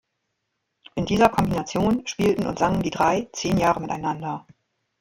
In dieser Kombination spielten und sangen die drei zehn Jahre miteinander.